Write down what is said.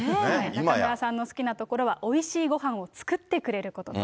中村さんの好きなところは、おいしいごはんを作ってくれることと。